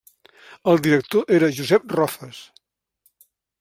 El director era Josep Rofes.